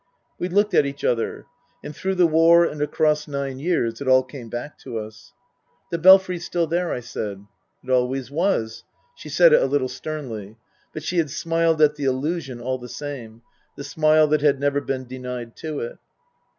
We looked at each other. And through the war and across nine years, it all came back to us. " The Belfry's still there," I said. " It always was." She said it a little sternly. But she had smiled at the allusion, all the same the smile that had never been denied to it.